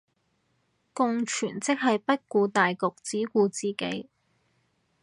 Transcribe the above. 共存即係不顧大局只顧自己